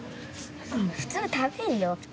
普通食べるよ普通。